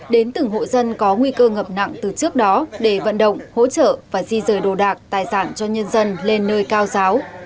đến từng hộ dân có nguy cơ ngập nặng từ trước đó để vận động hỗ trợ và di rời đồ đạc tài sản cho nhân dân lên nơi cao giáo